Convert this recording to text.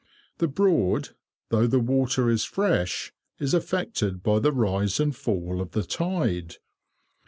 The Broad, though the water is fresh, is affected by the rise and fall of the tide.